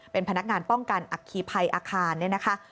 เป็นพนักงานป้องกันอัคคีภัยอาคารเนี่ยนะคะ